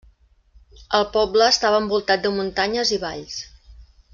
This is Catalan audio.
El poble està envoltat de muntanyes i valls.